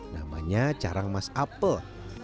namanya carang emas apel